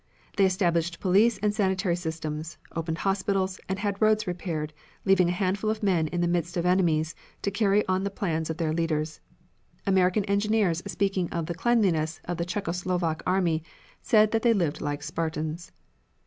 They established police and sanitary systems, opened hospitals, and had roads repaired, leaving a handful of men in the midst of enemies to carry on the plans of their leaders. American engineers speaking of the cleanliness of the Czecho Slovak army, said that they lived like Spartans.